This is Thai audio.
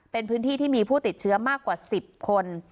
เป็นพื้นที่ที่มีผู้ติดเชื้อมากกว่า๑๐คน